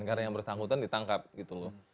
karena yang bersangkutan ditangkap gitu loh